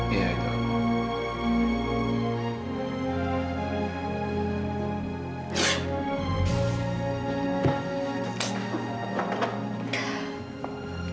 iya itu aku